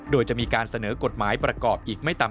โดยจะมีการเสนอกฎหมายประกอบอีกไม่ต่ำ